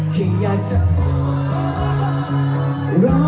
แค่อยากเธอรอ